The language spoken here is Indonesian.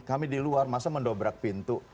kami di luar masa mendobrak pintu